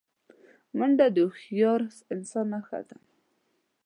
منډه د هوښیار انسان نښه ده